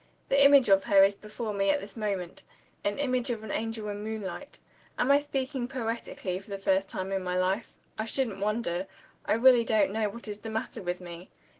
The image of her is before me at this moment an image of an angel in moonlight. Am I speaking poetically for the first time in my life? I shouldn't wonder. I really don't know what is the matter with me.